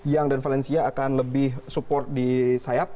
yang dan valencia akan lebih support di sayap